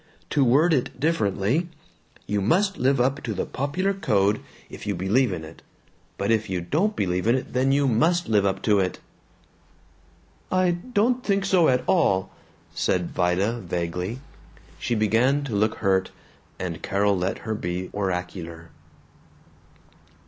To word it differently: 'You must live up to the popular code if you believe in it; but if you don't believe in it, then you MUST live up to it!'" "I don't think so at all," said Vida vaguely. She began to look hurt, and Carol let her be oracular.